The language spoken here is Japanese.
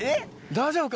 大丈夫か？